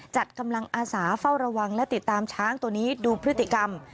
จัดกำลังอาสาเฝ้าระวังและติดตามช้างตัวนี้ดูพฤติกรรม